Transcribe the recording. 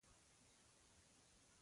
له هغه رښتیاوو چې د ورانۍ سبب ګرځي.